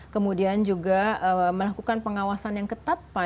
kemudian juga melakukan pengawasan yang ketat pada orang orang